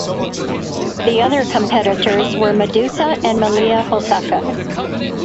The other competitors were Madusa and Malia Hosaka.